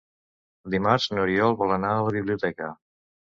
Dimarts n'Oriol vol anar a la biblioteca.